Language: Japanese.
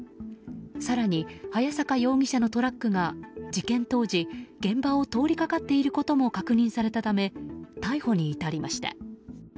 更に早坂容疑者のトラックが事件当時現場を通りかかっていることも確認されたため逮捕に至りました。